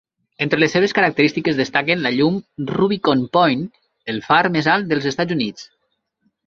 Entre les seves característiques destaquen la llum Rubicon Point, el far més alt dels Estats Units.